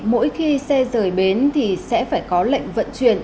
mỗi khi xe rời bến thì sẽ phải có lệnh vận chuyển